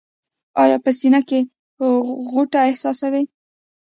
ایا په سینه کې غوټه احساسوئ؟